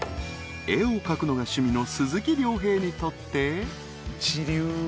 ［絵を描くのが趣味の鈴木亮平にとって］